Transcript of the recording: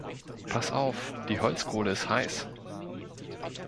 Pass auf, die Holzkohle ist heiß!